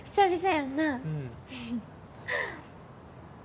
うん。